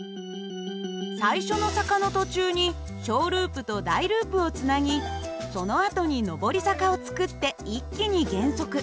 最初の坂の途中に小ループと大ループをつなぎそのあとに上り坂を作って一気に減速。